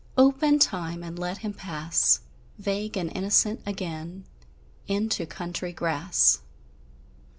Open, Time, and let him pass, Vague and innocent again, Into country grass.